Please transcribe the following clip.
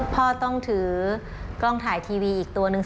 พ่อต้องถือกล้องถ่ายทีวีอีกตัวนึง